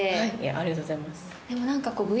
ありがとうございます。